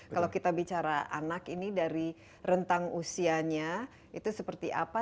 kalau kita bicara anak ini dari rentang usianya itu seperti apa